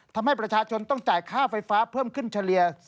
ทำให้ประชาชนต้องจ่ายค่าไฟฟ้าเพิ่มขึ้นเฉลี่ย